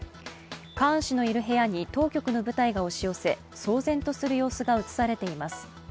カーン氏のいる部屋に当局の舞台が押し寄せ騒然とする様子が映されています。